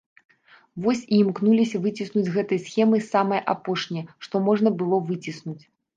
Вось і імкнуліся выціснуць з гэтай схемы самае апошняе, што можна было выціснуць.